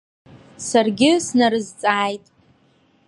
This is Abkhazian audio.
Саргьы снарызҵааит.